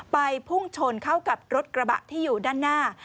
พุ่งชนเข้ากับรถกระบะที่อยู่ด้านหน้า